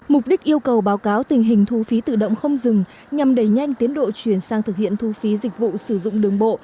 mục đích yêu cầu báo cáo tình hình thu phí tự động không dừng nhằm đẩy nhanh tiến độ chuyển sang thực hiện thu phí dịch vụ sử dụng đường bộ